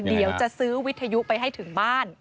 เดี๋ยวจะซื้อวิทยุไปให้ถึงบ้าน